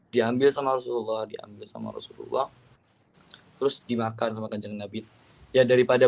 diambil sama rasulullah diambil sama rasulullah terus dimakan sama kanjeng nabi ya daripada